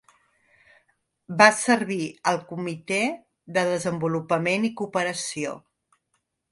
Va servir al Comitè de Desenvolupament i Cooperació.